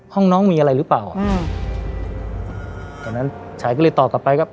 ห้องน้องมีอะไรหรือเปล่าอ่าตอนนั้นชายก็เลยตอบกลับไปครับ